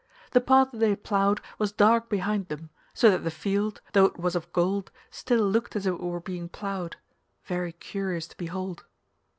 The part that they had ploughed was dark behind them, so that the field, though it was of gold, still looked as if it were being ploughed—very curious to behold.